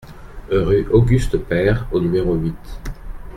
Rue Auguste Peyre au numéro huit